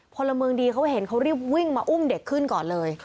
พลเมืองดีเขาเห็นเขารีบวิ่งมาอุ้มเด็กขึ้นก่อนเลย